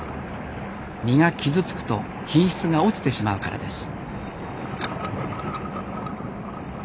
身が傷つくと品質が落ちてしまうからです。